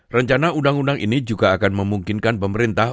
rencana undang undang ini juga akan memungkinkan pemerintah